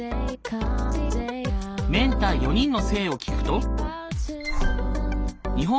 メンター４人の性を聞くと。